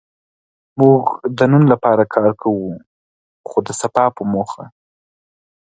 موږ د نن لپاره کار کوو؛ خو د سبا په موخه.